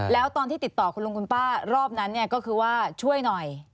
แล้วตอนที่ติดต่อคุณลุงคุณป้ารอบนั้นก็คือว่าช่วยหน่อย